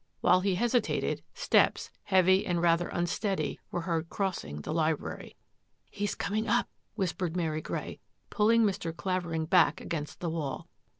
While he hesitated, steps, heavy and rather unsteady, were heard cross ing the library. "He is coming up!'' whispered Mary Grey, pulling Mr. Clavering back against the wall.